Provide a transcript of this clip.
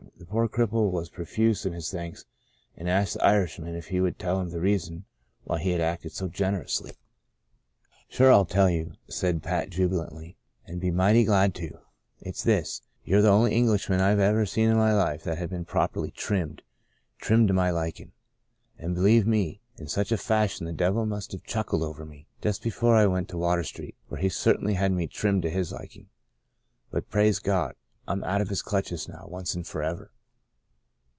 The poor cripple was profuse in his thanks, and asked the Irishman if he would tell him the reason why he had acted so gen 84 ' Into a Far Country erously. * Sure I'll tell you/ said Pat jubi lantly, * an' be mighty glad to. It's this — you're the only Englishman I've iver seen in my life that had been properly trimmed — trimmed to my likin'.' And, believe me, in some such fashion the devil must have chuckled over me, just before I went to Water Street, for he certainly had me trimmed to his liking. But, praise God, I'm out of his clutches now — once and forever."